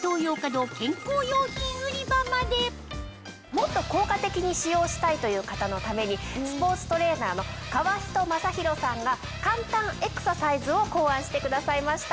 もっと効果的に使用したいという方のためにスポーツトレーナーの川人将裕さんが簡単エクササイズを考案してくださいました。